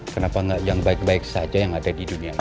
kenapa nggak yang baik baik saja yang ada di dunia ini